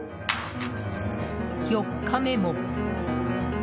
４日目も。